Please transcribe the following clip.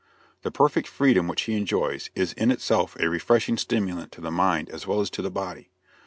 The perfect freedom which he enjoys is in itself a refreshing stimulant to the mind as well as to the body.